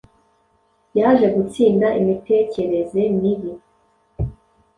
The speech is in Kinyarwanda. Yaje gutsinda imitekereze mibi